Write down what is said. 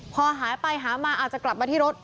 พอหายไปหามาอาจจะกลับมาที่รถ